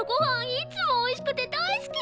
いつもおいしくて大好き！